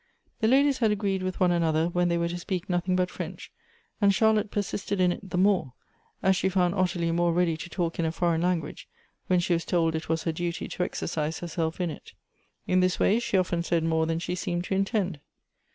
The ladies had agreed with one another when they were alone to speak nothing but French, and Charlotte persisted in it the more, as she found Ottilie more ready to talk in a foreign language, when she was told it was her duty to exercise herself in it. In this way she often said more than she seemed to intend.